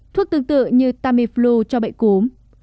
thuốc tương tự như tamiflu cho bệnh cúm